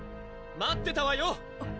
待ってたわよ！